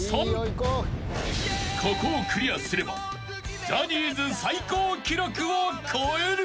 ［ここをクリアすればジャニーズ最高記録を超える］